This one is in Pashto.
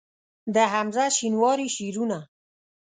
د حمزه شینواري شعرونه